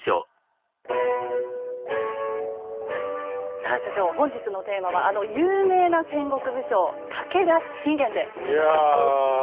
さあ所長本日のテーマはあの有名な戦国武将「武田信玄」でございます。